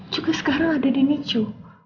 juga sekarang ada di nichu